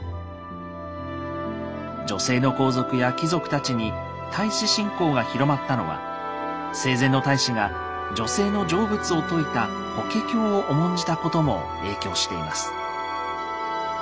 女性の皇族や貴族たちに太子信仰が広まったのは生前の太子が女性の成仏を説いた「法華経」を重んじたことも影響しています。